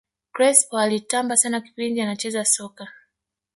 crespo alitamba sana kipindi anacheza soka